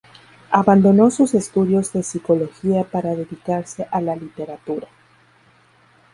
Abandonó sus estudios de psicología para dedicarse a la literatura.